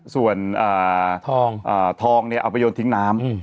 ส่วนทองเอาไปโยนทิ้งน้ำ